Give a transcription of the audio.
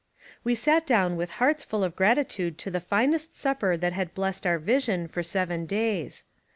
We sat down with hearts full of gratitude to the finest supper that had blessed our vision for seven days.